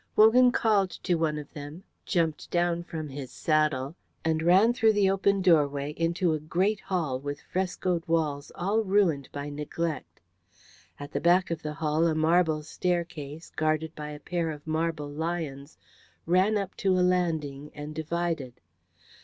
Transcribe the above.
Wogan called to one of them, jumped down from his saddle, and ran through the open doorway into a great hall with frescoed walls all ruined by neglect. At the back of the hall a marble staircase, guarded by a pair of marble lions, ran up to a landing and divided.